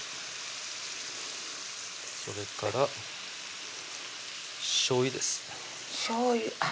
それからしょうゆですあっ